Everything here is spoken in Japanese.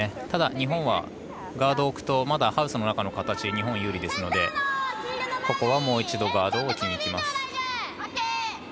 ただ、日本はガードを置くとまだハウスの中の形は日本有利ですのでここはもう一度ガードを置きにいきます。